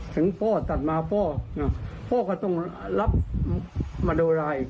ถึงป๊อตตัดมาป๊อก็ต้องรับมโนรา